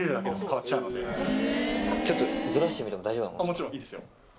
もちろんいいですよ。